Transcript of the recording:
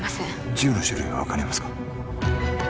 銃の種類は分かりますか？